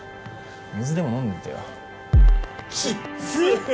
水でも飲んでてよきっつ！